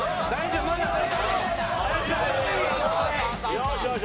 よしよし！